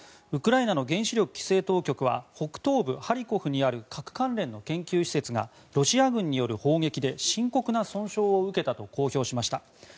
ウクライナの原子力規制当局は北東部ハリコフにある核関連の研究施設がロシア軍による砲撃で深刻な損傷を受けたと公表しました。